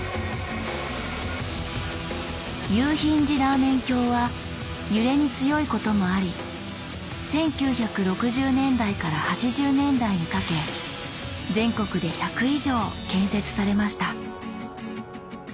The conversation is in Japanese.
「有ヒンジラーメン橋」は揺れに強いこともあり１９６０年代から８０年代にかけ全国で１００以上建設されました。